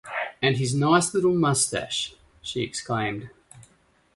“And his nice little moustache!” she exclaimed.